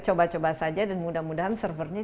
coba coba saja dan mudah mudahan servernya